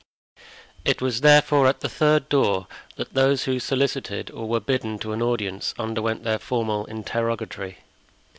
It was therefore at the third door that those who solicited or were bidden to an audience underwent their formal interrogatory.